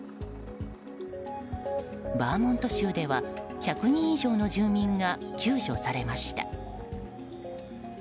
バーモント州では１００人以上の住民が救助されました。